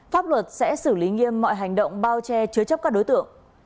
pháp luật sẽ xử lý nghiêm mọi hành động bao che chứa chấp các đối tượng